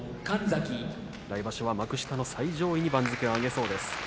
来場所は幕下の最上位に番付を上げそうです。